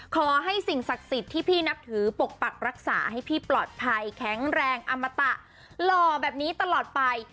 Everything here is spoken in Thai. ขอให้สิ่งศักดิ์สิทธิ์ที่พี่นับถือปกปักรักษาให้พี่ปลอดภัยแข็งแรงอมตะหล่อแบบนี้ตลอดไป